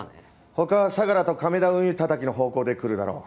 他は相良と亀田運輸叩きの方向で来るだろう。